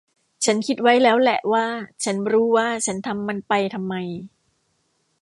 ฉันคิดไว้แล้วแหละว่า ฉันรู้ว่าฉันทำมันไปทำไม